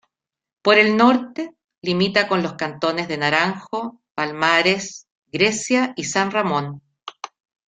Por el norte, limita con los cantones de Naranjo, Palmares, Grecia y San Ramón.